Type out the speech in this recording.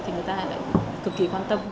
thì người ta lại cực kỳ quan tâm